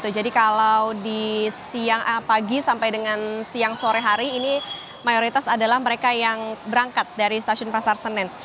kalau di siang pagi sampai dengan siang sore hari ini mayoritas adalah mereka yang berangkat dari stasiun pasar senen